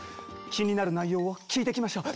気になる内容を聞いてきましょう。